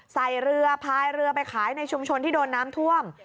ใส่เรือพายเรือไปขายในชุมชนที่โดนน้ำท่วม